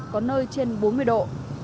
có nơi trên bốn mươi độ